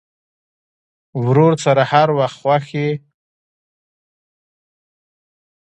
ورور سره هر وخت خوښ یې.